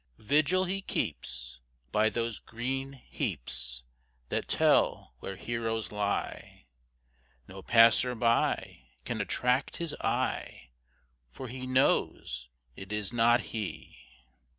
Vigil he keeps By those green heaps That tell where heroes lie. No passer by Can attract his eye, For he knows it is not He!